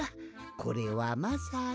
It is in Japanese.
これはまさに」。